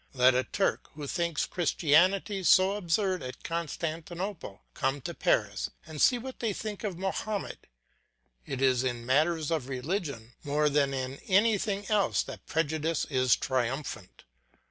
Let a Turk, who thinks Christianity so absurd at Constantinople, come to Paris and see what they think of Mahomet. It is in matters of religion more than in anything else that prejudice is triumphant.